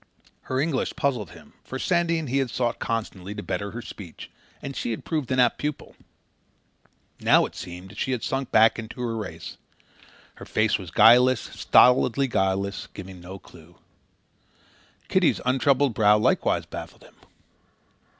Her English puzzled him, for Sandy and he had sought, constantly, to better her speech, and she had proved an apt pupil. Now it seemed that she had sunk back into her race. Her face was guileless, stolidly guileless, giving no cue. Kitty's untroubled brow likewise baffled him.